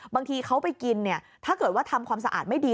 บางทีเขาไปกินเนี่ยถ้าเกิดว่าทำความสะอาดไม่ดี